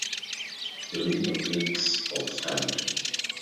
The original mix of Stand!